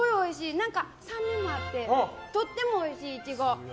何か、酸味もあってとってもおいしいイチゴ。